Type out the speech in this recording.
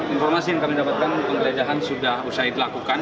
informasi yang kami dapatkan penggeledahan sudah usai dilakukan